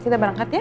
kita berangkat ya